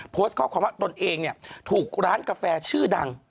โพสต์ข้อความว่าตนเองถูกร้านกาแฟชื่อดัง